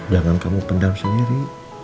jangan kamu pendam sendiri